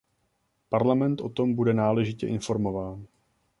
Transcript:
Parlament o tom bude náležitě informován.